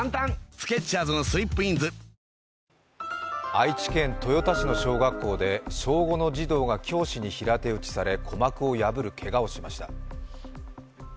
愛知県豊田市の小学校で小５の児童が教師に平手打ちされ鼓膜を破るけがをしました。